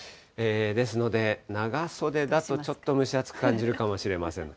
ですので、長袖だとちょっと蒸し暑く感じるかもしれません。